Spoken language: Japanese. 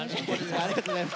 ありがとうございます。